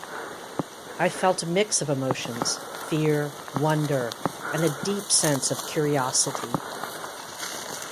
I felt a mix of emotions - fear, wonder, and a deep sense of curiosity.